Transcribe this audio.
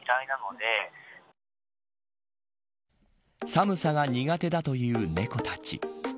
寒さが苦手だという猫たち。